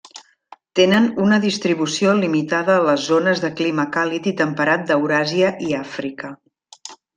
Tenen una distribució limitada a les zones de clima càlid i temperat d'Euràsia i Àfrica.